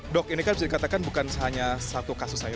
dok ini kan bisa dikatakan bukan hanya satu kasus saja